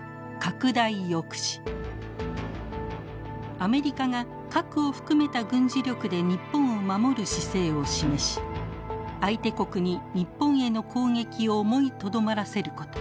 アメリカが核を含めた軍事力で日本を守る姿勢を示し相手国に日本への攻撃を思いとどまらせること。